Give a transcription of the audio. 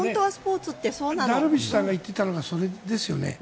ダルビッシュさんが言っていたのはそれですよね。